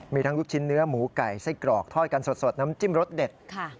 มีทั้งลูกชิ้นเนื้อหมูไก่ไส้กรอกทอดกันสดน้ำจิ้มรสเด็ด